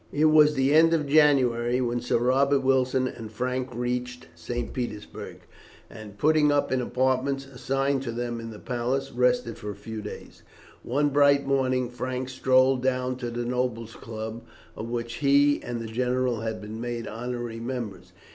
It was the end of January when Sir Robert Wilson and Frank reached St. Petersburg, and, putting up in apartments assigned to them in the palace, rested for a few days. One bright morning Frank strolled down to the Nobles' Club, of which he and the general had been made honorary members.